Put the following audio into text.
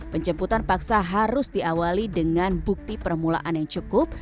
penjemputan paksa harus diawali dengan bukti permulaan yang cukup